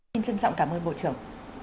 xin trân trọng cảm ơn bộ trưởng